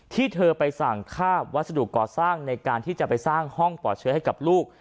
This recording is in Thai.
เธอไปสั่งคาบวัสดุก่อสร้างในการที่จะไปสร้างห้องปลอดเชื้อให้กับลูก